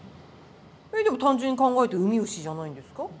えでも単純に考えてウミウシじゃないんですか？